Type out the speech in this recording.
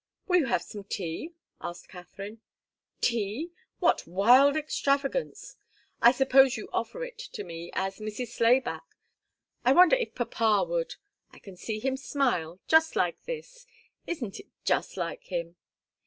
"Will you have some tea?" asked Katharine. "Tea? What wild extravagance! I suppose you offer it to me as 'Mrs. Slayback.' I wonder if papa would. I can see him smile just like this isn't it just like him?"